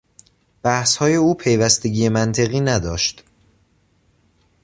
بحثهای او پیوستگی منطقی نداشت.